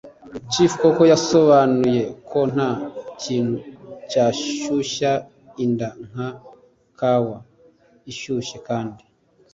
chief koko yasobanuye ko nta kintu cyashyushya inda nka kawa ishyushye kandi